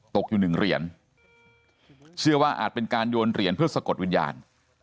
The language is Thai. ตกอยู่หนึ่งเหรียญเชื่อว่าอาจเป็นการโยนเหรียญเพื่อสะกดวิญญาณ